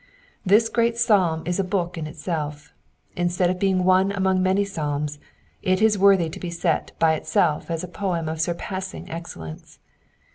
This gfreat Psalm is a book in itself : instead of being one among many psalms, it is worthy to be set forth by itself as a poem of surpassing excellence.